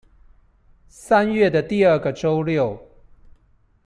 三月的第二個週六